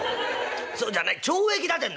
そうじゃない懲役だてんだ」。